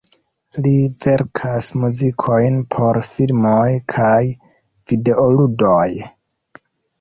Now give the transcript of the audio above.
Li verkas muzikojn por filmoj kaj videoludoj.